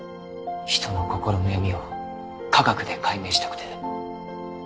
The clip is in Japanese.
人の心の闇を科学で解明したくて。